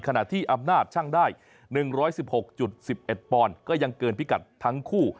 ขณะที่อำนาจช่างได้๑๑๖๑๑ปอนด์ก็ยังเกินพิกัดทั้งคู่